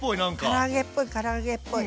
から揚げっぽいから揚げっぽい。